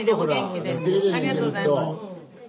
ありがとうございます。